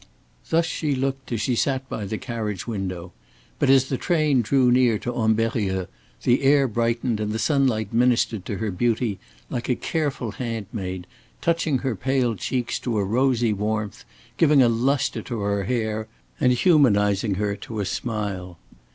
Thus she looked as she sat by the carriage window. But as the train drew near to Ambérieu, the air brightened and the sunlight ministered to her beauty like a careful handmaid, touching her pale cheeks to a rosy warmth, giving a luster to her hair, and humanizing her to a smile.